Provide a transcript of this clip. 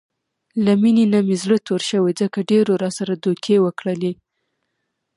له مینې نه مې زړه تور شوی، ځکه ډېرو راسره دوکې وکړلې.